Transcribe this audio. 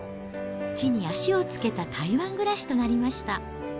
地に足をつけた台湾暮らしとなりました。